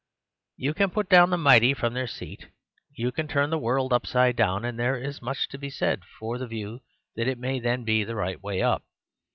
You can put down the mighty from their seat; you can turn the world up side down, and there is much to be said for the view that it may then be the right way up.